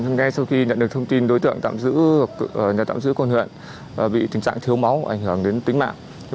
ngay sau khi nhận được thông tin đối tượng tạm giữ nhà tạm giữ quân huyện bị tình trạng thiếu máu ảnh hưởng đến tính mạng